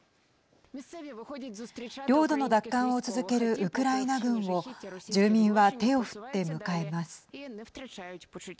領土の奪還を続けるウクライナ軍を住民は手を振って迎えます。